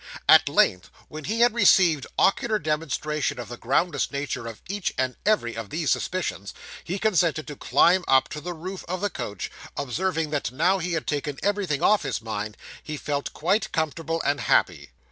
At length when he had received ocular demonstration of the groundless nature of each and every of these suspicions, he consented to climb up to the roof of the coach, observing that now he had taken everything off his mind, he felt quite comfortable and happy.